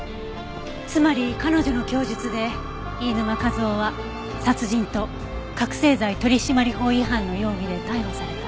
つまり彼女の供述で飯沼和郎は殺人と覚せい剤取締法違反の容疑で逮捕された。